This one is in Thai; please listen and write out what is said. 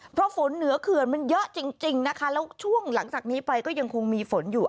เพราะฝนเหนือเขื่อนมันเยอะจริงนะคะแล้วช่วงหลังจากนี้ไปก็ยังคงมีฝนอยู่